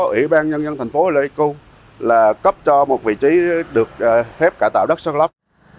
ủy ban nhân dân thành phố lê cung là cấp cho một vị trí được phép cải tạo đất sát lấp